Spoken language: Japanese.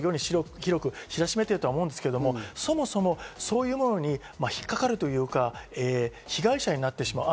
広く知らしめていると思うんですけど、そもそもそういうものに引っ掛かるというか、被害者になってしまう。